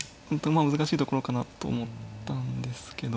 まあ難しいところかなと思ったんですけど。